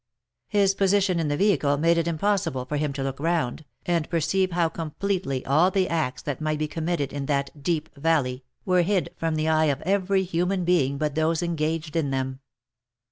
His position in the vehicle made it impos sible for him to look round, and perceive how completely all the acts that might be committed in that Deep Valley, were hid from the eye of every human being but those engaged in them.